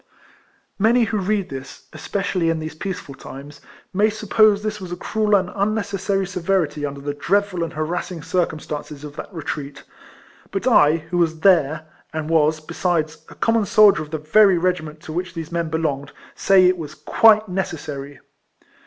Many who read this, especiallj^ in these peaceful times, may suppose this was a cruel and unnecessary severity under the dreadful and harassing circumstances of that retreat; but I, who was there, and was, besides, a com mon soldier of the very regiment to which these men belonged, say it was quite necessary.